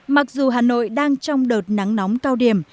mặc dù hà nội đang trong đợt nắng nóng cao điểm